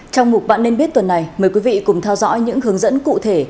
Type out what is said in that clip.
trong mục bạn nên biết tuần này mời quý vị cùng theo dõi những hướng dẫn cụ thể